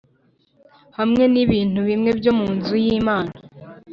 hamwe n’ibintu bimwe byo mu nzu y’Imana